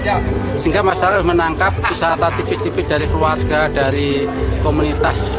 sehingga masyarakat menangkap wisata tipis tipis dari keluarga dari komunitas